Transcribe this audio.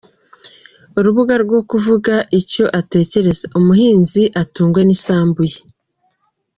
urubuga rwo kuvuga icyo atekereza; Umuhinzi atungwe n’isambu ye